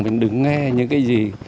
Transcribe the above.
mình đứng nghe những cái gì